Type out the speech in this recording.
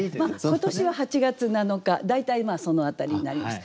今年は８月７日大体その辺りになります。